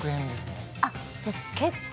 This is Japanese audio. あっじゃあ結構。